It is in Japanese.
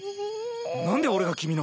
なんで俺が君の？